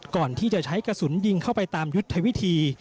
ก่อนที่จะใช้กระสุนยิงเข้าไปตามยุทธวิธี